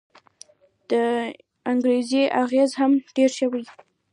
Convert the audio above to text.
د انګرېزي اغېز هم ډېر شوی.